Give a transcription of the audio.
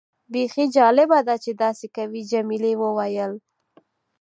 بیخي جالبه ده چې داسې کوي. جميلې وويل:.